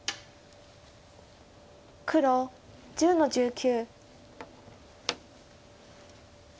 黒１０の十九。